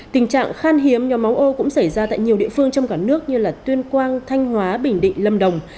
tình trạng khan hiếm nhóm máu ô cũng xảy ra tại nhiều địa phương trong cả nước như tuyên quang thanh hóa bình định lâm đồng